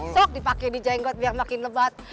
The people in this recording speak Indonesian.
sok dipakai di jenggot biar makin lebat